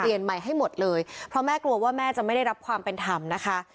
ใหม่ให้หมดเลยเพราะแม่กลัวว่าแม่จะไม่ได้รับความเป็นธรรมนะคะ